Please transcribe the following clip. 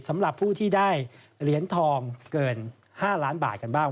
สำหรับผู้ที่ได้เหรียญทองเกิน๕ล้านบาทกันบ้าง